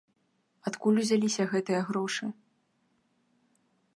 Адкуль узяліся гэтыя грошы?